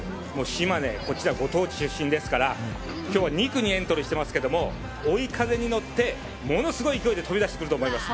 島根、ご当地出身ですから今日は２区にエントリーしていますけれども追い風に乗ってものすごい勢いで飛び出してくると思います。